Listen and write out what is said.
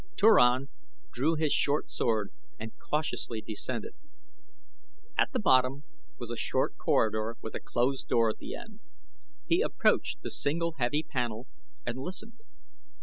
Turan drew his short sword and cautiously descended. At the bottom was a short corridor with a closed door at the end. He approached the single heavy panel and listened.